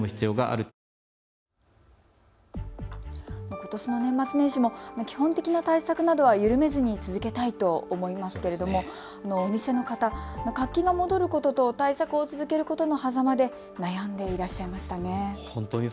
ことしの年末年始も基本的な対策などは緩めずに続けたいと思いますけれども、お店の方、活気が戻ることと対策を続けることのはざまで悩んでいらっしゃいましたね。